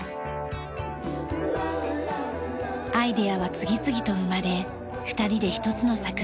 アイデアは次々と生まれ２人で一つの作品が増えました。